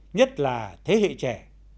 nhất là thế hệ trẻ